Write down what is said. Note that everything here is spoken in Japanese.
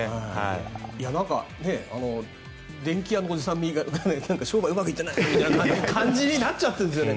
電気屋のおじさんが商売うまくいってないみたいな感じになっちゃってるんですよね